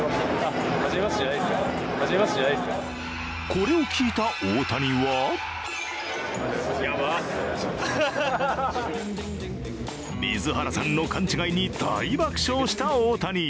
これを聞いた大谷は水原さんの勘違いに大爆笑した大谷。